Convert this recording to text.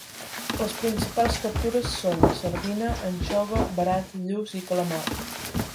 Les principals captures són: sardina, anxova, verat, lluç i calamar.